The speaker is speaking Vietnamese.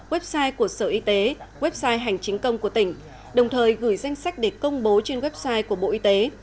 website của sở y tế website hành chính công của tỉnh đồng thời gửi danh sách để công bố trên website của bộ y tế